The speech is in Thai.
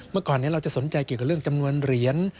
เมื่อก่อนนี้เราจะสนใจเกี่ยวกับเรื่องจำนวนเหรียญ